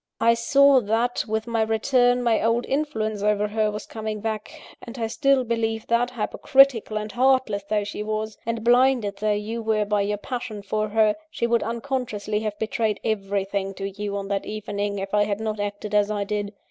I saw that, with my return, my old influence over her was coming back: and I still believe that, hypocritical and heartless though she was, and blinded though you were by your passion for her, she would unconsciously have betrayed everything to you on that evening, if I had not acted as I did.